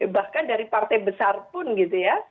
bahkan dari partai besar pun gitu ya